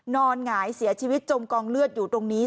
หงายเสียชีวิตจมกองเลือดอยู่ตรงนี้